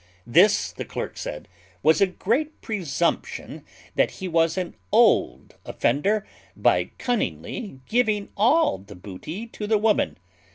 This the clerk said "was a great presumption that he was an old offender, by cunningly giving all the booty to the woman."